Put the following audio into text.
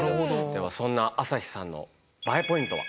ではそんな朝日さんのＢＡＥポイントは？